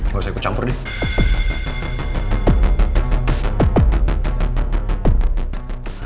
nggak usah ikut campur deh